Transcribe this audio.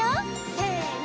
せの！